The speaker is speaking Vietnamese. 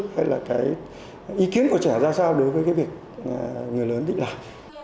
hay là cái ý kiến của trẻ ra sao đối với cái việc người lớn định làm